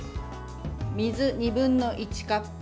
水２分の１カップ。